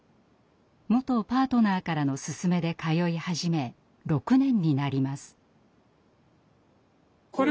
元パートナーからの勧めで通い始め６年になります。